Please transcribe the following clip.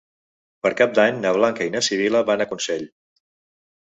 Per Cap d'Any na Blanca i na Sibil·la van a Consell.